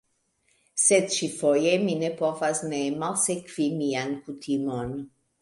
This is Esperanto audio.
Sed ĉi-foje mi ne povas ne malsekvi mian kutimon.